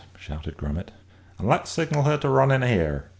shouted Grummet, "and let's signal her to run in here.